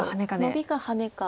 ノビかハネか。